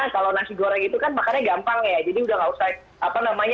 karena kalau nasi goreng itu kan makannya gampang ya